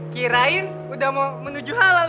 kirain udah mau menuju halal